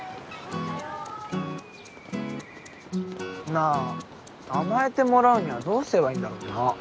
なぁ甘えてもらうにはどうすればいいんだろうな？